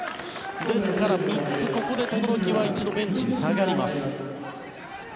ですから、３つここで轟は一度ベンチに下がります。